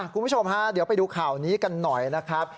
คุณผู้ชมฮะเดี๋ยวไปดูข่าวนี้กันหน่อยนะครับ